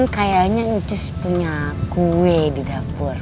kayaknya icus punya kue di dapur